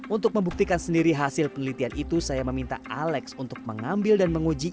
untuk membuktikan sendiri hasil penelitian itu saya meminta alex untuk mengambil dan menguji